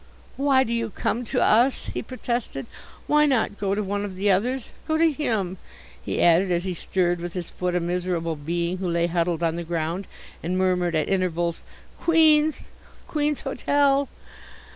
"Why do you come to us?" he protested. "Why not go to one of the others. Go to him," he added, as he stirred with his foot a miserable being who lay huddled on the ground and murmured at intervals, "Queen's! Queen's Hotel."